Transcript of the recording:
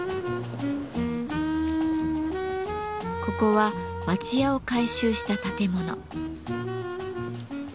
ここは町家を改修した建物。